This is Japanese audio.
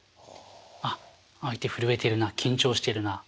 あっ相手震えてるな緊張してるな。